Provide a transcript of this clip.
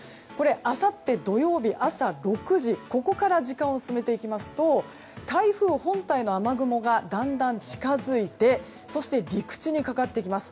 あさって土曜日朝６時ここから時間を進めていきますと台風本体の雨雲がだんだん近づいて陸地にかかってきます。